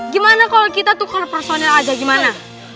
gimana kalau kita tukar personil aja gimana